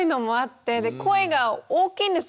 で声が大きいんです。